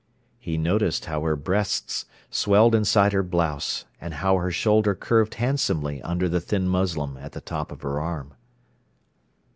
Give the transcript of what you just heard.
He noticed how her breasts swelled inside her blouse, and how her shoulder curved handsomely under the thin muslin at the top of her arm.